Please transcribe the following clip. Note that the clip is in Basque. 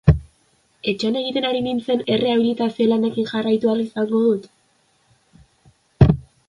Etxean egiten ari nintzen errehabilitazio lanekin jarraitu ahal izango dut?